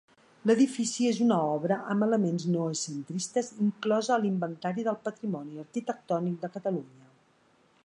L'edifici és una obra amb elements noucentistes inclosa a l'Inventari del Patrimoni Arquitectònic de Catalunya.